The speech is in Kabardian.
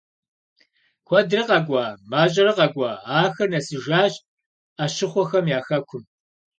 Куэдрэ къэкӀуа, мащӀэрэ къэкӀуа, ахэр нэсыжащ Ӏэщыхъуэхэм я хэкум.